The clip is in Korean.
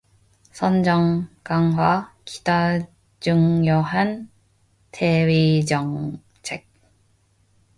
선전, 강화 기타 중요한 대외정책